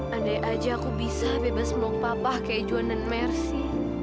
andai aja aku bisa bebas meluk papa kayak jualan mercy